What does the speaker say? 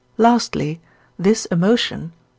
Lastly, this emotion (III.